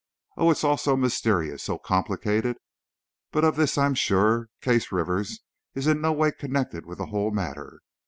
Oh, it's all so mysterious, so complicated, but of this I'm sure, Case Rivers is in no way connected with the whole matter.